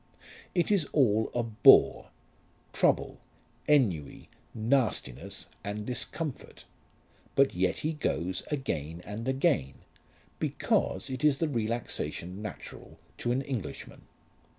It is all a bore, trouble, ennui, nastiness, and discomfort. But yet he goes again and again, because it is the relaxation natural to an Englishman.